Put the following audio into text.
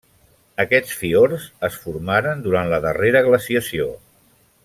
Aquests fiords es formaren durant la darrera glaciació.